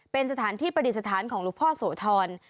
เป็นสถานที่ประดิษฐานของหลวงพ่อโสธร